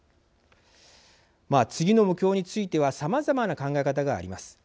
次の目標についてはさまざまな考え方があります。